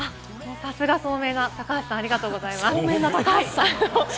さすが聡明な高橋さん、ありがとうございます。